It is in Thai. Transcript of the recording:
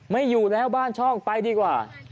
ไม่อยู่แล้วบ้านช่องไปดีกว่า